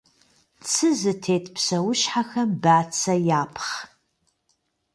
Цы зытет псэущхьэхэм бацэ япхъ.